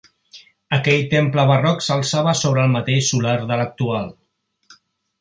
Aquell temple barroc s'alçava sobre el mateix solar de l'actual.